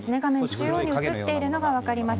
中央に映っているのが分かります。